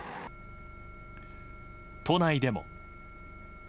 都内でも。